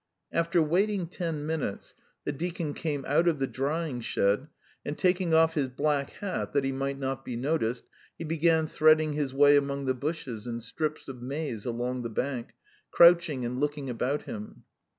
After waiting ten minutes the deacon came out of the drying shed, and taking off his black hat that he might not be noticed, he began threading his way among the bushes and strips of maize along the bank, crouching and looking about him.